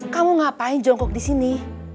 kamu ngapain jongkok disini